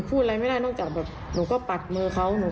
แบบนี้ไม่ได้นะคะพี่ต้องการยังไงนี้